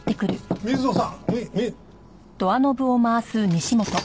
水野さん？